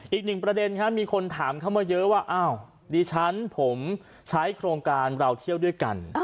อีกหนึ่งประเด็นครับมีคนถามเข้ามาเยอะว่าอ้าวดิฉันผมใช้โครงการเราเที่ยวด้วยกัน